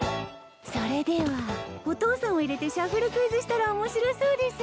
それではお父さんを入れてシャッフルクイズしたら面白そうです